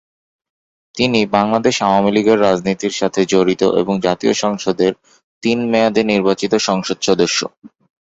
তিনি বাংলাদেশ আওয়ামী লীগের রাজনীতির সাথে জড়িত এবং জাতীয় সংসদের তিন মেয়াদে নির্বাচিত সংসদ সদস্য।